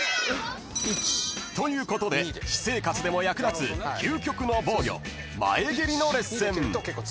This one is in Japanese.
［ということで私生活でも役立つ究極の防御前蹴りのレッスン］